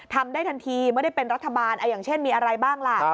ทำได้ทันทีไม่ได้เป็นรัฐบาลอย่างเช่นมีอะไรบ้างล่ะ